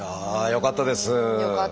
よかったですね。